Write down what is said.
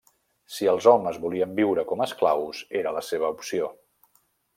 Si els homes volien viure com esclaus, era la seva opció.